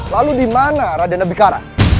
lalu di mana raden abikara